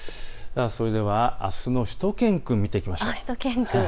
それではあすのしゅと犬くんを見ていきましょう。